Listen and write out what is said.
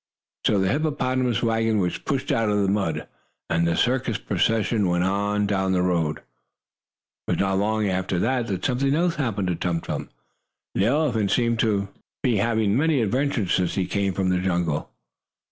So the hippopotamus wagon was pushed out of the mud, and the circus procession went on down the road. It was not long after this that something else happened to Tum Tum. The elephant seemed to be having many adventures since he came from the jungle.